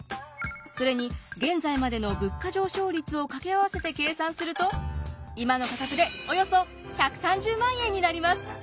それに現在までの物価上昇率を掛け合わせて計算すると今の価格でおよそ１３０万円になります。